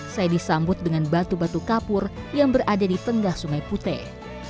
saya disambut dengan batu batu kapur yang berada di tengah sungai putih